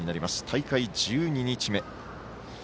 大会１２日目。